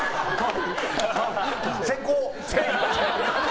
先攻！